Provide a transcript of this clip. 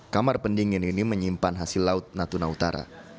kamar pendingin ini menyimpan hasil laut natuna utara